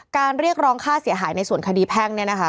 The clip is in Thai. การเรียกร้องค่าเสียหายในส่วนคดีแพ่ง